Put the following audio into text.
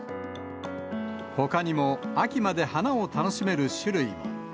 ほかにも、秋まで花を楽しめる種類も。